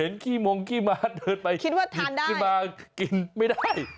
เห็นขี้ม้องขี้ม้าเดินไปกินขี้ม้ากินไม่ได้